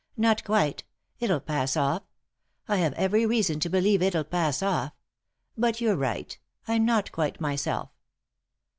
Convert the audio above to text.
Not quite! It'll pass off. I have every reason to believe it'll pass off. But you're right. I'm not quite myself."